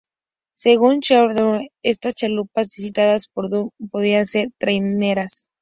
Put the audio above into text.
Según Xabier Agote, estas chalupas citadas por Duhamel podían ser traineras.